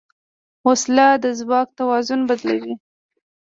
وسله د ځواک توازن بدلوي